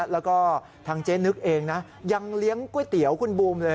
แล้วก็ทางเจ๊นึกเองนะยังเลี้ยงก๋วยเตี๋ยวคุณบูมเลย